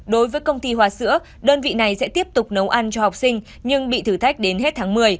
đối với công ty hoa sữa đơn vị này sẽ tiếp tục nấu ăn cho học sinh nhưng bị thử thách đến hết tháng một mươi